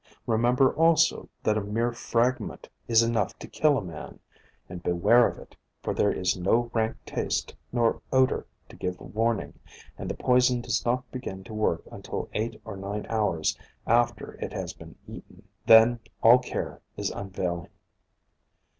Remember also that a mere fragment is enough to kill a man, and beware of it, for there is no rank taste nor odor to give warning, and the poison does not begin to work until eight or nine hours after it has been eaten. Then all care is unavailing.